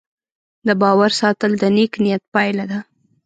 د باور ساتل د نیک نیت پایله ده.